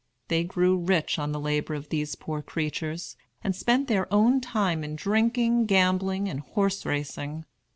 They grew rich on the labor of these poor creatures, and spent their own time in drinking, gambling, and horse racing.